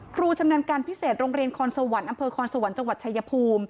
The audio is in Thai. ครูชำนาญการพิเศษโรงเรียนคอนสวรรค์อำเภอคอนสวรรค์จังหวัดชายภูมิ